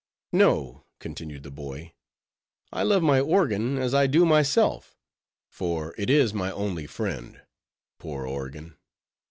"No," continued the boy, "I love my organ as I do myself, for it is my only friend, poor organ!